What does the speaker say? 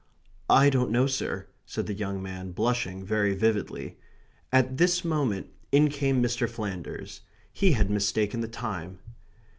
"I don't know, sir," said the young man, blushing very vividly. At this moment in came Mr. Flanders. He had mistaken the time.